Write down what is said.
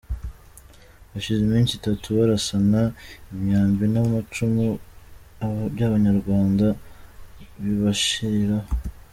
Hashize iminsi itatu barasana; imyambi n’amacumu by’Abanyarwanda bibashiriraho.